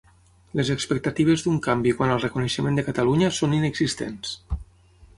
Les expectatives d'un canvi quant al reconeixement de Catalunya són inexistents